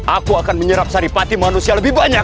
aku akan menyerap saripati manusia lebih baik dari mereka